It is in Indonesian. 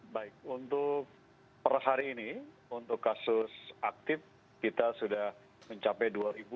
baik untuk per hari ini untuk kasus aktif kita sudah mencapai dua lima ratus